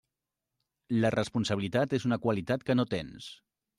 La responsabilitat és una qualitat que no tens.